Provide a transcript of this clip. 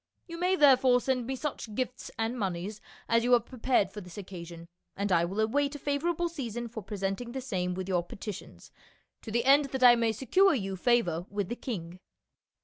You may therefore send to me such gifts and moneys as you have prepared for this occasion, and I will await a favor able season for presenting the same with your petitions, to the end that I may secure you favor with the king."